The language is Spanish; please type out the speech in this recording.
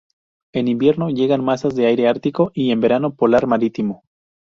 En invierno llegan masas de aire ártico y en verano polar marítimo.